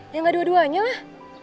ya enggak dua duanya lah